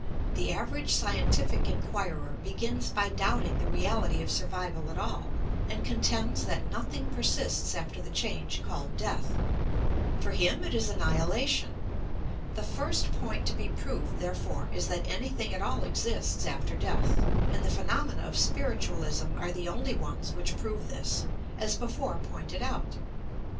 The average scientific inquirer begins by doubting the reality of survival at all, and contends that nothing persists after the change called death. For him it is annihilation! The first point to be proved, therefore, is that anything at all exists after death, and the phe nomena of spiritualism are the only ones which prove this, as before pointed out.